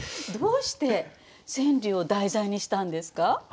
どうして川柳を題材にしたんですか？